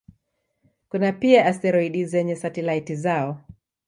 Kuna pia asteroidi zenye satelaiti zao.